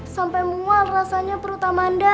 sampai mual rasanya perut amanda